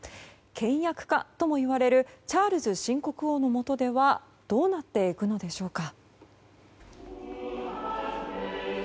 倹約家ともいわれるチャールズ新国王のもとではどうなっていくのでしょうか。